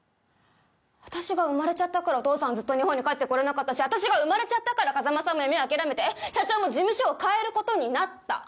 私が生まれちゃったからお父さんはずっと日本に帰って来れなかったし私が生まれちゃったから風真さんも夢を諦めて社長も事務所を変えることになった。